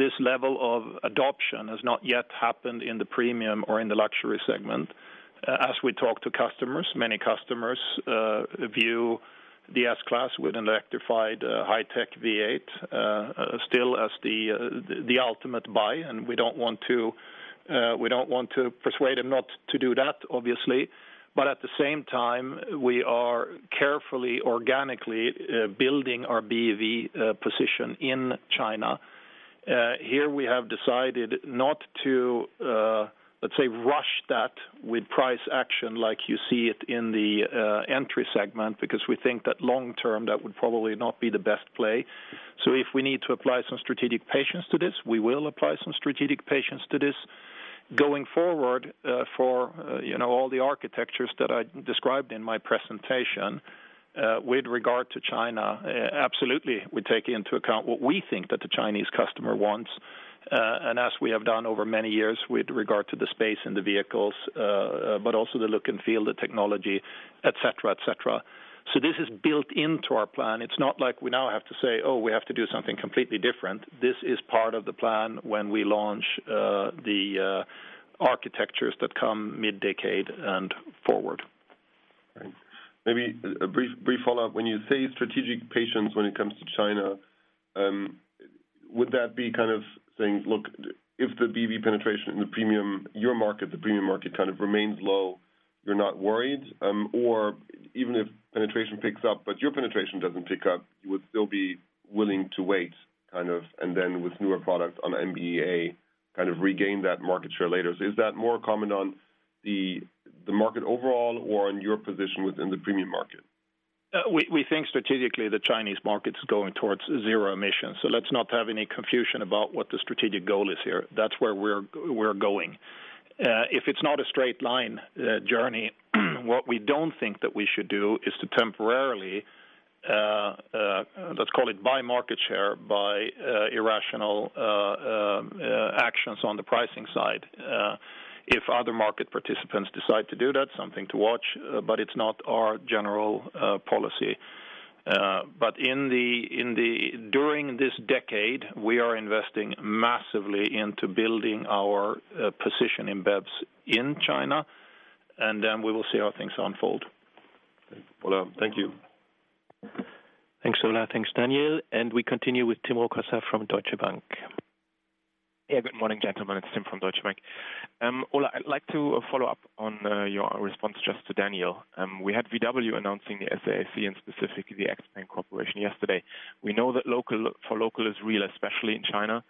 This level of adoption has not yet happened in the premium or in the luxury segment. As we talk to customers, many customers, view the S-Class with an electrified, high-tech V8, still as the ultimate buy, and we don't want to, we don't want to persuade them not to do that, obviously. At the same time, we are carefully, organically, building our BEV, position in China. Here we have decided not to, let's say, rush that with price action like you see it in the entry segment, because we think that long term, that would probably not be the best play. If we need to apply some strategic patience to this, we will apply some strategic patience to this. Going forward, for, you know, all the architectures that I described in my presentation, with regard to China, absolutely, we take into account what we think that the Chinese customer wants, and as we have done over many years with regard to the space and the vehicles, but also the look and feel, the technology, et cetera, et cetera. This is built into our plan. It's not like we now have to say, "Oh, we have to do something completely different." This is part of the plan when we launch, the architectures that come mid-decade and forward. Right. Maybe a brief follow-up. When you say strategic patience when it comes to China, would that be kind of saying, look, if the BEV penetration in the premium, your market, the premium market, kind of remains low, you're not worried? Even if penetration picks up, but your penetration doesn't pick up, you would still be willing to wait, kind of, and then with newer products on MB.EA, kind of regain that market share later. Is that more common on the market overall or in your position within the premium market? We think strategically, the Chinese market is going towards zero emission, let's not have any confusion about what the strategic goal is here. That's where we're going. If it's not a straight-line journey, what we don't think that we should do is to temporarily, let's call it, buy market share by irrational actions on the pricing side. If other market participants decide to do that, something to watch, but it's not our general policy. In the during this decade, we are investing massively into building our position in BEVs in China, and then we will see how things unfold. Thank you. Thanks, Ola. Thanks, Daniel. We continue with Tim Rokossa from Deutsche Bank. Yeah, good morning, gentlemen. It's Tim from Deutsche Bank. Ola, I'd like to follow up on your response just to Daniel. We had VW announcing the SAIC and specifically the XPeng corporation yesterday. We know that local, for local is real, especially in China.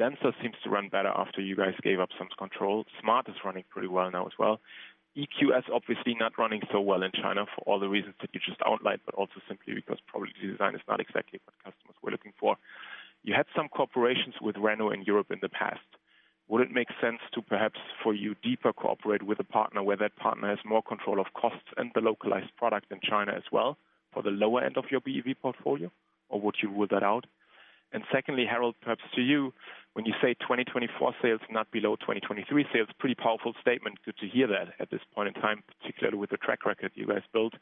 DENSO seems to run better after you guys gave up some control. Smart is running pretty well now as well. EQS obviously not running so well in China for all the reasons that you just outlined, but also simply because probably the design is not exactly what customers were looking for. You had some cooperations with Renault in Europe in the past. Would it make sense to perhaps, for you, deeper cooperate with a partner where that partner has more control of costs and the localized product in China as well, for the lower end of your BEV portfolio, or would you rule that out? Secondly, Harald, perhaps to you, when you say 2024 sales, not below 2023 sales, pretty powerful statement. Good to hear that at this point in time, particularly with the track record you guys built.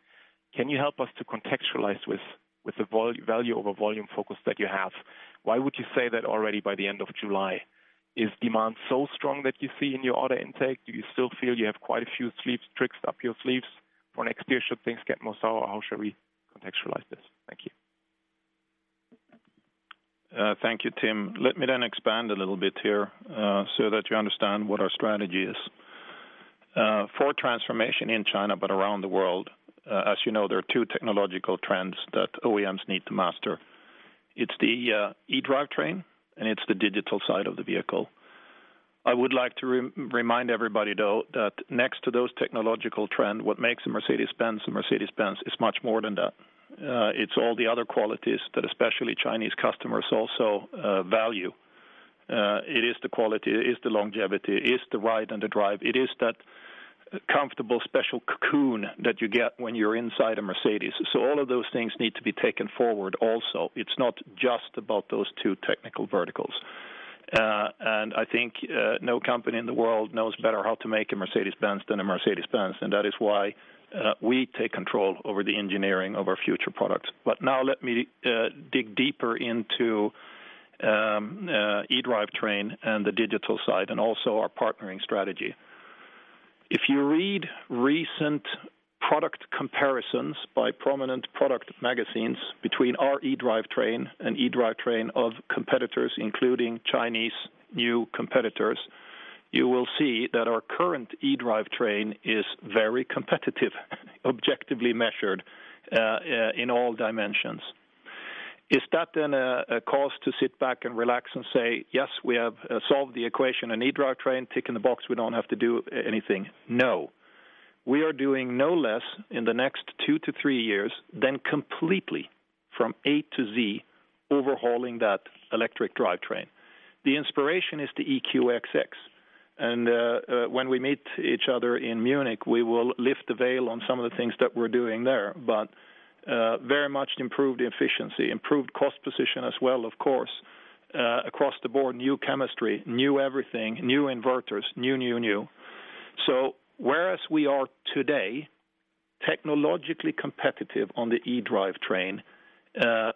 Can you help us to contextualize with value over volume focus that you have? Why would you say that already by the end of July? Is demand so strong that you see in your order intake, do you still feel you have quite a few sleeves, tricks up your sleeves for next year, should things get more sour? How should we contextualize this? Thank you. Thank you, Tim. Let me expand a little bit here so that you understand what our strategy is. For transformation in China, but around the world, as you know, there are two technological trends that OEMs need to master. It's the e-drivetrain, and it's the digital side of the vehicle. I would like to remind everybody, though, that next to those technological trend, what makes a Mercedes-Benz, a Mercedes-Benz is much more than that. It's all the other qualities that especially Chinese customers also value. It is the quality, it is the longevity, it is the ride and the drive. It is that comfortable, special cocoon that you get when you're inside a Mercedes. All of those things need to be taken forward also. It's not just about those two technical verticals. I think no company in the world knows better how to make a Mercedes-Benz than a Mercedes-Benz, and that is why we take control over the engineering of our future products. Now let me dig deeper into e-drivetrain and the digital side, and also our partnering strategy. If you read recent product comparisons by prominent product magazines between our e-drivetrain and e-drivetrain of competitors, including Chinese new competitors, you will see that our current e-drivetrain is very competitive, objectively measured in all dimensions. Is that a cause to sit back and relax and say, "Yes, we have solved the equation, an e-drivetrain, tick in the box, we don't have to do anything?" No. We are doing no less in the next two to three years than completely, from A to Z, overhauling that electric drivetrain. The inspiration is the EQXX, and when we meet each other in Munich, we will lift the veil on some of the things that we're doing there, very much improved efficiency, improved cost position as well, of course, across the board, new chemistry, new everything, new inverters, new, new. Whereas we are today, technologically competitive on the e-drivetrain,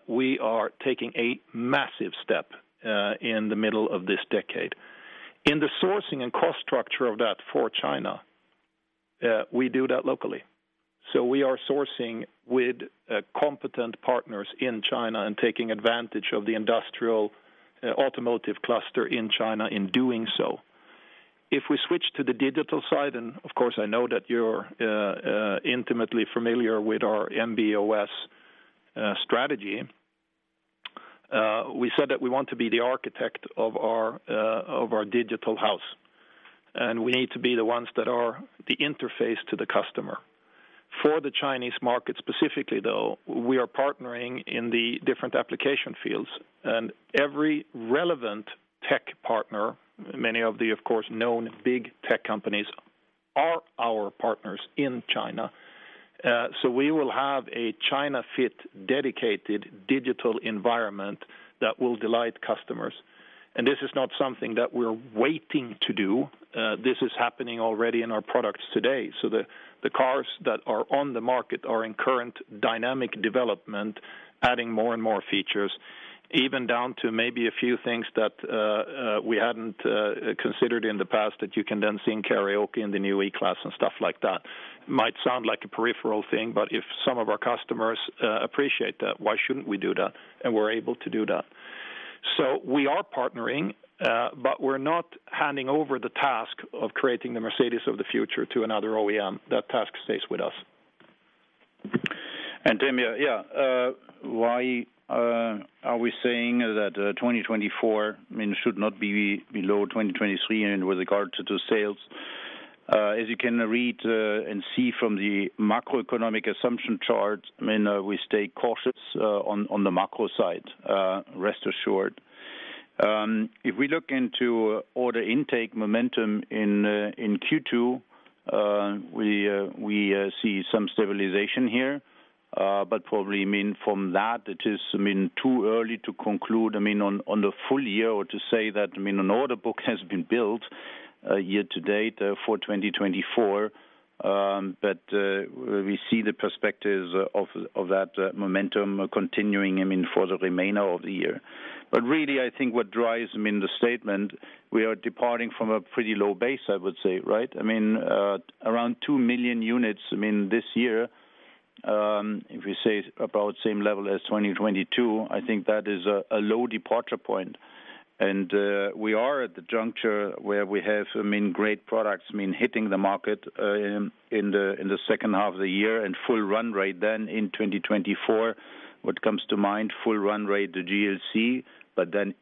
we are taking a massive step in the middle of this decade. In the sourcing and cost structure of that for China, we do that locally. We are sourcing with competent partners in China and taking advantage of the industrial automotive cluster in China in doing so. If we switch to the digital side, and of course, I know that you're intimately familiar with our MB.OS strategy. We said that we want to be the architect of our digital house, and we need to be the ones that are the interface to the customer. For the Chinese market specifically, though, we are partnering in the different application fields and every relevant tech partner, many of the, of course, known big tech companies, are our partners in China. We will have a China-fit, dedicated digital environment that will delight customers. This is not something that we're waiting to do, this is happening already in our products today. The cars that are on the market are in current dynamic development, adding more and more features, even down to maybe a few things that we hadn't considered in the past, that you can then sing karaoke in the new E-Class and stuff like that. Might sound like a peripheral thing, but if some of our customers appreciate that, why shouldn't we do that? And we're able to do that. We are partnering, but we're not handing over the task of creating the Mercedes of the future to another OEM. That task stays with us. Tim, yeah, why are we saying that 2024, I mean, should not be below 2023 and with regard to sales? As you can read and see from the macroeconomic assumption charts, we stay cautious on the macro side, rest assured. If we look into order intake momentum in Q2, we see some stabilization here, probably from that, it is too early to conclude on the full year, or to say that an order book has been built year to date for 2024. We see the perspectives of that momentum continuing for the remainder of the year. Really, I think what drives the statement, we are departing from a pretty low base, I would say, right? I mean, around 2 million units, I mean, this year, if we say about same level as 2022, I think that is a low departure point. We are at the juncture where we have, I mean, great products, I mean, hitting the market, in the, in the H2 of the year, and full run rate then in 2024. What comes to mind, full run rate, the GLC,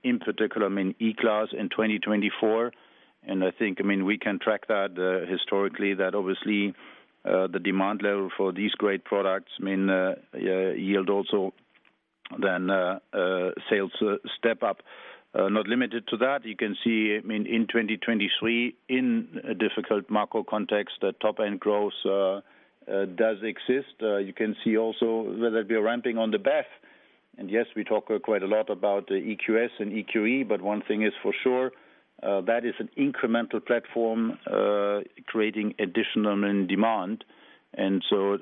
in particular, I mean, E-Class in 2024. I think, I mean, we can track that, historically, that obviously, the demand level for these great products, I mean, yield also than a sales step-up. Not limited to that, you can see, I mean, in 2023, in a difficult macro context, the top-end growth, does exist. Uh, you can see also that we are ramping on the BEV. And yes, we talk quite a lot about the EQS and EQE, but one thing is for sure, that is an incremental platform equating additional in demand and so,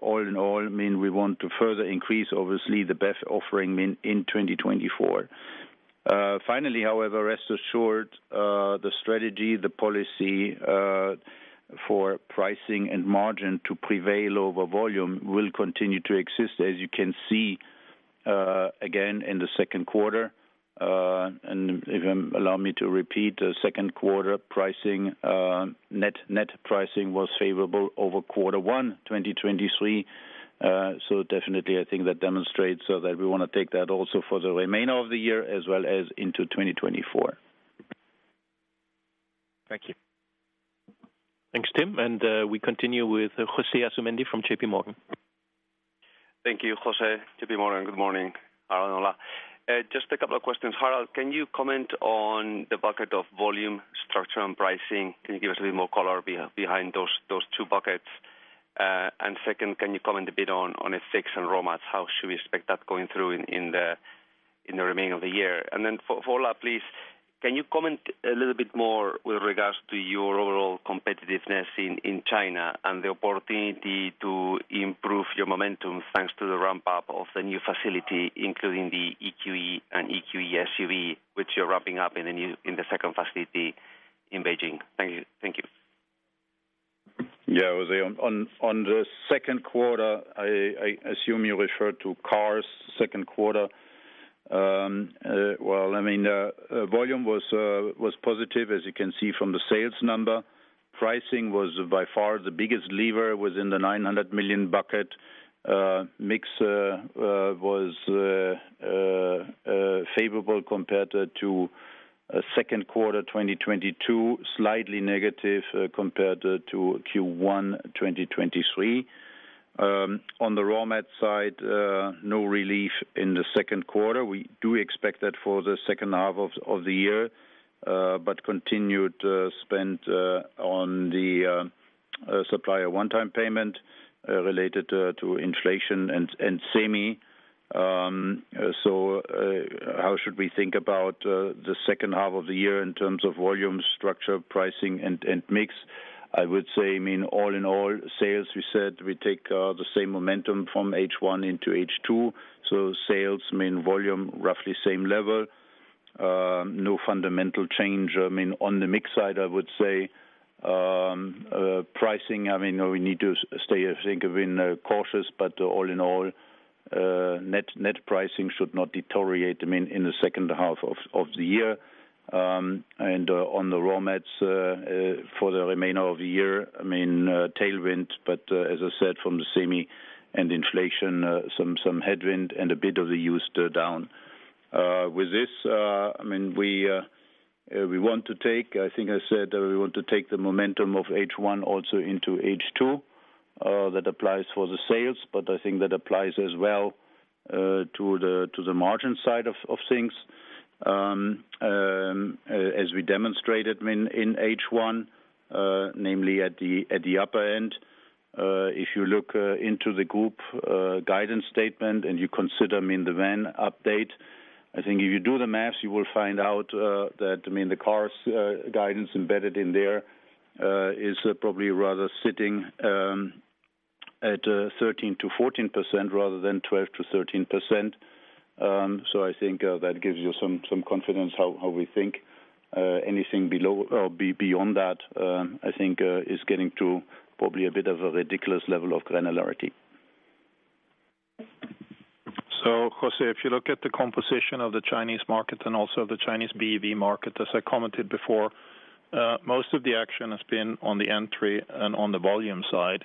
all in all, we want to further increase oversee the best offering in 2024. Finally, however, rest assured that the strategy, the policy, for pricing and margin to prevail over volume will continue to exist. As you can see again in the Q2, and even allow me to repeat Q2 pricing, net-pricing, was favorable over Q1 2023. So, definitely I think that demonstrates so that we want to take that also for the remainder of the year as well as into 2024. Thank you. Thanks, Tim. We continue with José Asumendi from J.P. Morgan. Thank you, Jose. J.P. Morgan, good morning, Harald and Ola. Just a couple of questions. Harald, can you comment on the bucket of volume, structure, and pricing? Can you give us a little more color behind those two buckets? Second, can you comment a bit on FX and raw mats? How should we expect that going through in the remainder of the year? For Ola, please, can you comment a little bit more with regards to your overall competitiveness in China and the opportunity to improve your momentum, thanks to the ramp-up of the new facility, including the EQE and EQE SUV, which you're ramping up in the second facility in Beijing? Thank you. Yeah, Jose, on the Q2, I assume you referred to cars Q2. Well, I mean, volume was positive, as you can see from the sales number. Pricing was by far the biggest lever, was in the 900 million bucket. Mix was favorable compared to Q2 2022, slightly negative compared to Q1 2023. On the raw mat side, no relief in the Q2. We do expect that for the H2 of the year, but continued spend on the supplier one-time payment related to inflation and semi. How should we think about the H2 in terms of volume, structure, pricing, and mix? I would say, all in all, sales, we said we take the same momentum from H1 into H2. Sales mean volume, roughly same level, no fundamental change. On the mix side, I would say, pricing, we need to stay, I think, cautious, but all in all, net pricing should not deteriorate in the H2. On the raw mats for the remainder of the year, tailwind, as I said, from the semi and inflation, some headwind and a bit of the used down. With this, we want to take, I think I said we want to take the momentum of H1 also into H2. That applies for the sales, but I think that applies as well to the margin side of things. As we demonstrated in H1, namely at the upper end, if you look into the group guidance statement and you consider, I mean, the van update, I think if you do the maths, you will find out that, I mean, the cars guidance embedded in there is probably rather sitting at 13% to 14% rather than 12% to 13%. So, I think that gives you some confidence how we think. Anything below or beyond that, I think is getting to probably a bit of a ridiculous level of granularity. Jose, if you look at the composition of the Chinese market and also the Chinese BEV market, as I commented before, most of the action has been on the entry and on the volume side.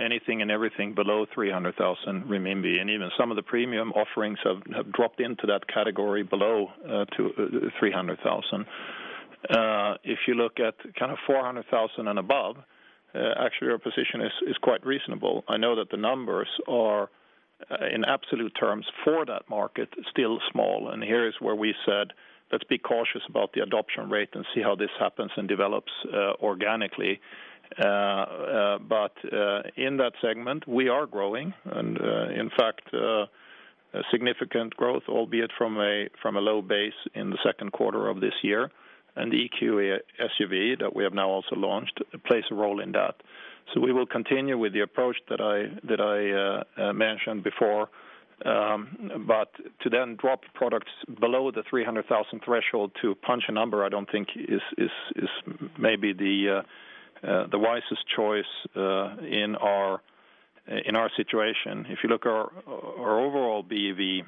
Anything and everything below 300,000 renminbi, and even some of the premium offerings, have dropped into that category below 300,000. If you look at kind of 400,000 and above, actually our position is quite reasonable. I know that the numbers are in absolute terms for that market, still small. Here is where we said, let's be cautious about the adoption rate and see how this happens and develops organically. In that segment, we are growing and, in fact, a significant growth, albeit from a low base in the Q2 of this year, and the EQE SUV that we have now also launched, plays a role in that. We will continue with the approach that I, that I mentioned before, but to then drop products below the 300,000 threshold to punch a number, I don't think is maybe the wisest choice in our situation. You look at our overall BEV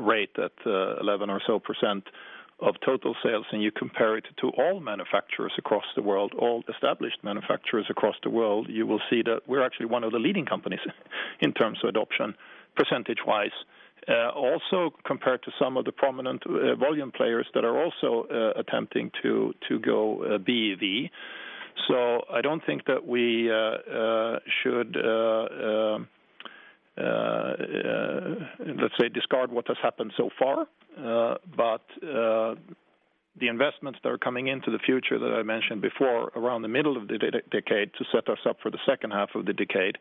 rate at 11% or so of total sales, and you compare it to all manufacturers across the world, all established manufacturers across the world, you will see that we're actually one of the leading companies in terms of adoption, percentage-wise. Also compared to some of the prominent volume players that are also attempting to go BEV. I don't think that we should let's say, discard what has happened so far, but the investments that are coming into the future that I mentioned before, around the middle of the decade, to set us up for the second half of the decade,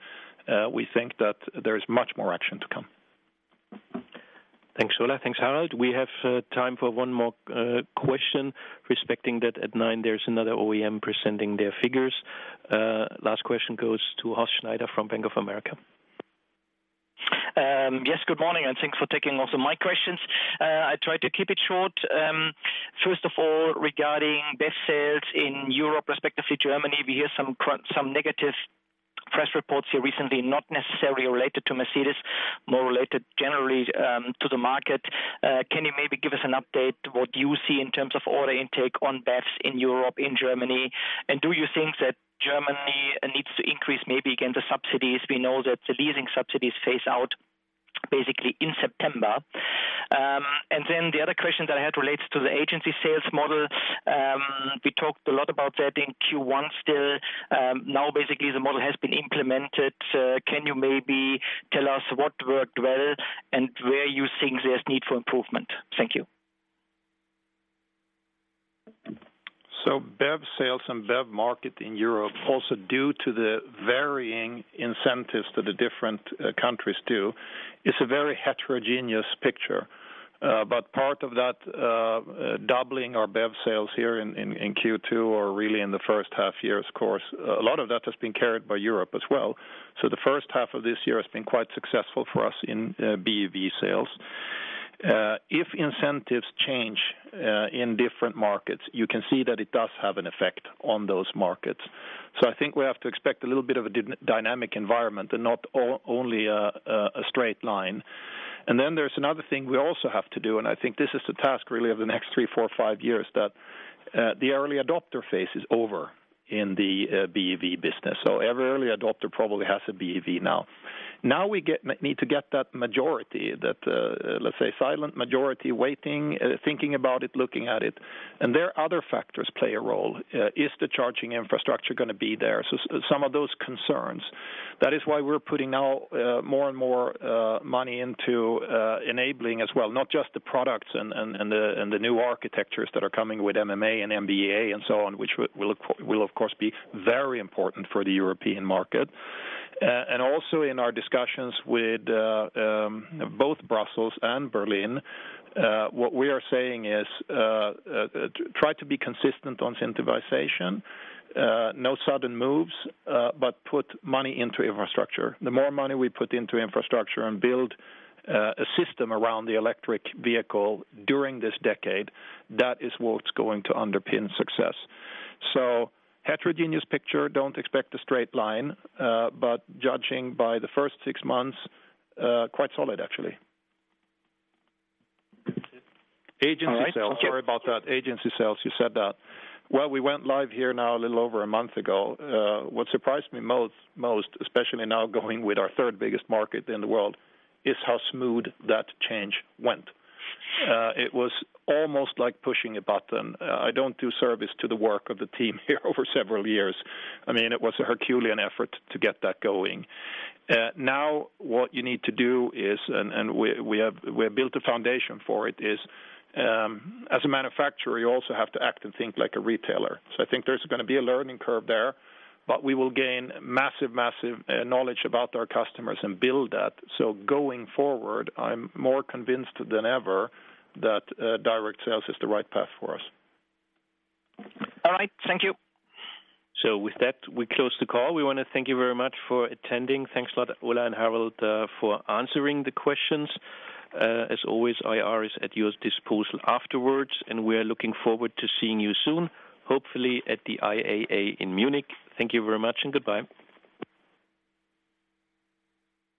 we think that there is much more action to come. Thanks, Ola. Thanks, Harald. We have time for one more question, respecting that at 9 there's another OEM presenting their figures. Last question goes to Horst Schneider from Bank of America. Yes, good morning, thanks for taking also my questions. I try to keep it short. First of all, regarding best sales in Europe, respectively, Germany, we hear some negative press reports here recently, not necessarily related to Mercedes, more related generally to the market. Can you maybe give us an update, what you see in terms of order intake on BEVs in Europe, in Germany? Do you think that Germany needs to increase, maybe, again, the subsidies? We know that the leasing subsidies phase out basically in September. The other question that I had relates to the agency sales model. We talked a lot about that in Q1 still. Now, basically, the model has been implemented. Can you maybe tell us what worked well and where you think there's need for improvement? Thank you. BEV sales and BEV market in Europe, also due to the varying incentives that the different countries do, it's a very heterogeneous picture. But part of that doubling our BEV sales here in Q2, or really in the first half year's course, a lot of that has been carried by Europe as well. The H1 has been quite successful for us in BEV sales. If incentives change in different markets, you can see that it does have an effect on those markets. I think we have to expect a little bit of a dynamic environment and not only a straight line. There's another thing we also have to do, and I think this is the task, really, of the next 3, 4, 5 years, that the early adopter phase is over in the BEV business, so every early adopter probably has a BEV now. Now we need to get that majority, that, let's say, silent majority, waiting, thinking about it, looking at it, and there, other factors play a role. Is the charging infrastructure gonna be there? Some of those concerns. That is why we're putting now more and more money into enabling as well, not just the products and the new architectures that are coming with MMA and MB.EA and so on, which will, of course, be very important for the European market. In our discussions with both Brussels and Berlin, what we are saying is, "Try to be consistent on incentivization. No sudden moves, but put money into infrastructure." The more money we put into infrastructure and build a system around the electric vehicle during this decade, that is what's going to underpin success. Heterogeneous picture, don't expect a straight line, but judging by the first six months, quite solid, actually. Agency sales. Okay. Sorry about that. Agency sales, you said that. Well, we went live here now a little over a month ago. What surprised me most, especially now going with our third biggest market in the world, is how smooth that change went. It was almost like pushing a button. I don't do service to the work of the team here over several years. I mean, it was a Herculean effort to get that going. Now, what you need to do is, and we have built a foundation for it, is as a manufacturer, you also have to act and think like a retailer. I think there's gonna be a learning curve there, but we will gain massive knowledge about our customers and build that. Going forward, I'm more convinced than ever that direct sales is the right path for us. All right. Thank you. With that, we close the call. We want to thank you very much for attending. Thanks a lot, Ola and Harald, for answering the questions. As always, IR is at your disposal afterwards, and we are looking forward to seeing you soon, hopefully, at the IAA in Munich. Thank you very much, and goodbye.